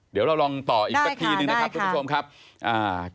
เดี๋ยวเราลองต่ออีกสักทีหนึ่งนะครับทุกชมครับได้ค่ะได้ค่ะ